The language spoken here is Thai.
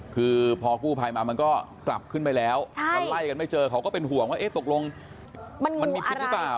คือพอกู้ภัยมามันก็กลับขึ้นไปแล้วก็ไล่กันไม่เจอเขาก็เป็นห่วงว่าเอ๊ะตกลงมันมีพิษหรือเปล่า